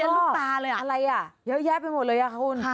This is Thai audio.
แล้วก็อะไรอ่ะเยอะแยะไปหมดเลยอ่ะคุณ